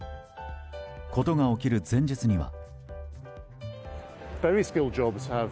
事が起きる前日には。